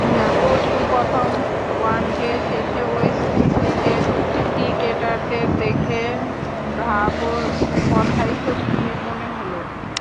পরশু প্রথম ওয়ানডে শেষে ওয়েস্ট ইন্ডিজের ক্রিকেটারদের দেখে ব্রাভোর কথাই সত্যি মনে হলো।